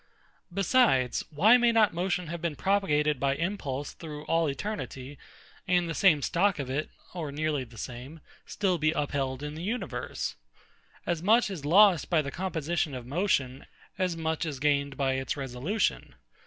Besides, why may not motion have been propagated by impulse through all eternity, and the same stock of it, or nearly the same, be still upheld in the universe? As much is lost by the composition of motion, as much is gained by its resolution.